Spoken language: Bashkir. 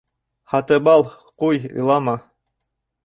Һатыбал, ҡуй, илама...